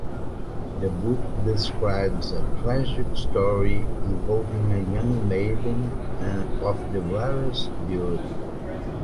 The book describes a tragic story involving a young maiden of "the rarest beauty".